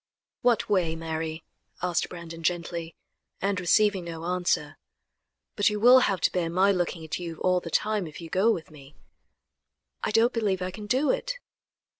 "What way, Mary?" asked Brandon gently, and receiving no answer. "But you will have to bear my looking at you all the time if you go with me." "I don't believe I can do it."